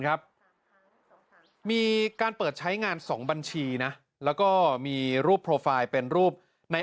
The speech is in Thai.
ครับมีการเปิดใช้งาน๒บัญชีนะแล้วก็มีรูปโปรไฟล์เป็นรูปใน